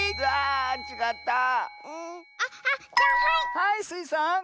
はいスイさん。